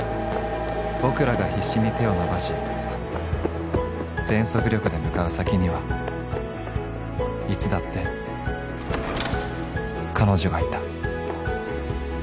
［僕らが必死に手を伸ばし全速力で向かう先にはいつだって彼女がいた］